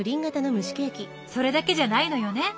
それだけじゃないのよね。